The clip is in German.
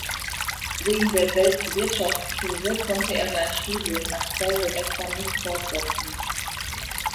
Wegen der Weltwirtschaftskrise konnte er sein Studium nach zwei Semestern nicht fortsetzen.